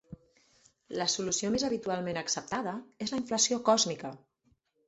La solució més habitualment acceptada és la inflació còsmica.